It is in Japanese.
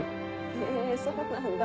へぇそうなんだ。